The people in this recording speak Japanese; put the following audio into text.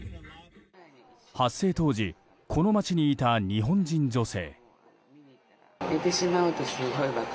発生当時この街にいた日本人女性。